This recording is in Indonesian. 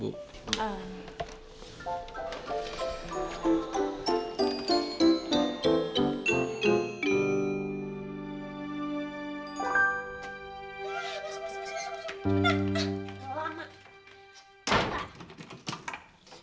masuk masuk masuk